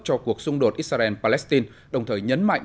cho cuộc xung đột israel palestin